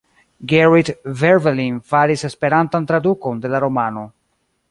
Gerrit Berveling faris esperantan tradukon de la romano.